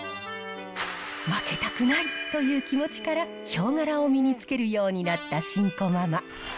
負けたくないという気持ちから、ヒョウ柄を身に着けるようになったシンコママ。